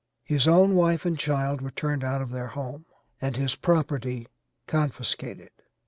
His own wife and child were turned out of their home and his property confiscated.